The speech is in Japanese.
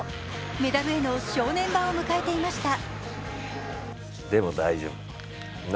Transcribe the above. メダルへの正念場を迎えていました。